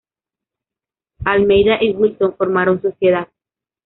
Almeida y Wilson formaron sociedad.